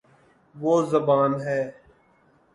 وہ زبا ن ہے